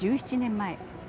１７年前。